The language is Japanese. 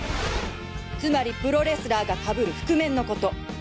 つまりプロレスラーがかぶる覆面のこと！